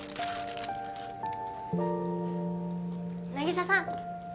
凪沙さん